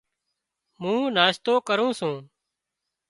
مُون ناشتو ڪرُون سُون۔